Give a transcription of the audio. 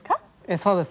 そうです。